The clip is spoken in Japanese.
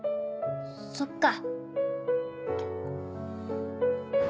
そっか。